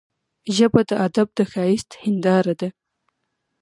ژبه د ادب د ښايست هنداره ده